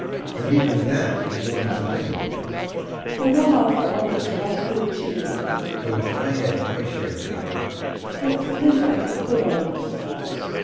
(And even that is once too many;) Hurrah for all its right good cheer! (I wish I had my share of any!) What flavour of the good old times!